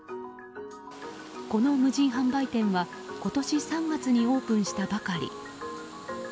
この無人販売店は今年３月にオープンしたばかり。